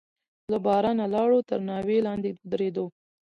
له بارانه لاړو، تر ناوې لاندې ودرېدو.